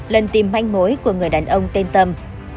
lần tìm manh mối của người đàn ông tên tâm